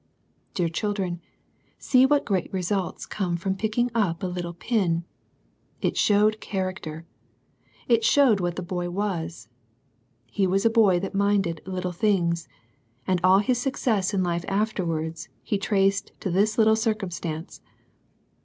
Dear children, see what great results come from picking up a little pin. It showed character. It showed what the boy was. He was a boy that minded little things^ and all his success in life afterwards he traced to this little circum stance.